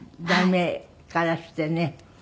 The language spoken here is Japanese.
題名からしてね。